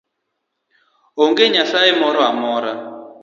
Onge nyasaye moro amora.